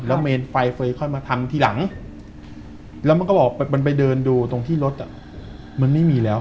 แล้วแมนไฟค่อยมาทำที่หลังก็บอกว่ามันไปเดินดูที่รถไม่มีแล้ว